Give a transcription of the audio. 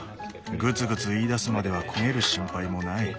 ぐつぐついいだすまでは焦げる心配もない。